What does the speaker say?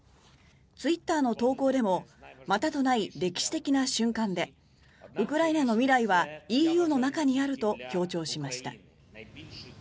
ツイッターの投稿でもまたとない歴史的な瞬間でウクライナの未来はＥＵの中にあると強調しました。